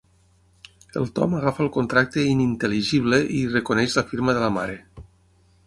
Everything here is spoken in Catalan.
El Tom agafa el contracte inintel·ligible i hi reconeix la firma de la mare.